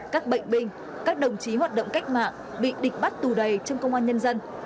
các bệnh binh các đồng chí hoạt động cách mạng bị địch bắt tù đầy trong công an nhân dân